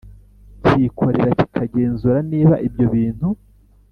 cyikorera kikagenzura niba ibyo bintu